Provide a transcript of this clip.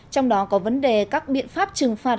trong đó có vấn đề các biện pháp trừng phạt